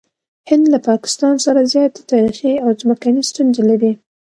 هند له پاکستان سره زیاتې تاریخي او ځمکني ستونزې لري.